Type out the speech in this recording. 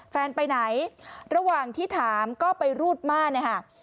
แฟนไปไหนระหว่างที่ถามก็ไปรูดม่านนะคะ